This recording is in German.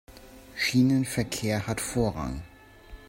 Schienenverkehr hat Vorrang.